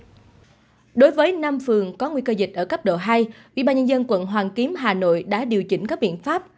trong thời gian có nguy cơ dịch ở cấp độ hai ubnd quận hoàng kiếm hà nội đã điều chỉnh các biện pháp